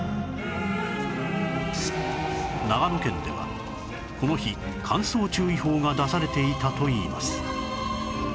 長野県ではこの日乾燥注意報が出されていたといいます